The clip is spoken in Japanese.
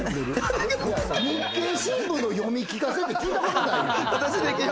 日経新聞の読み聞かせって聞いたことないよ。